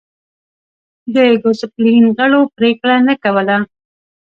د ګوسپلین غړو پرېکړه نه کوله